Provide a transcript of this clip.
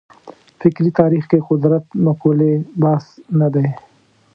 فکري تاریخ کې قدرت مقولې بحث نه دی.